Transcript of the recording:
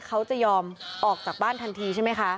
เขาจะยอมออกจากบ้านทันทีใช่ไหมคะ